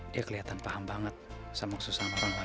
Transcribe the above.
dia kelihatan paham banget sama khusus sama orang lain